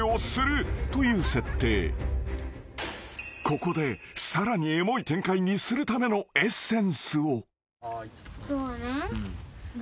［ここでさらにエモい展開にするためのエッセンスを］